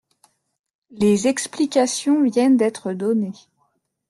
Les explications viennent d’être données.